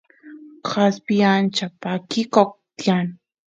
kaspi ancha pakikoq tiyan